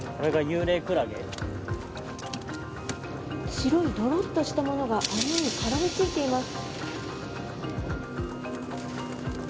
白いドロッとしたものが網に絡みついています。